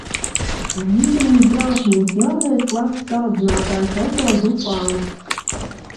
Līdzi mums brauca mūsu jaunais klases audzinātājs Otto Zupāns.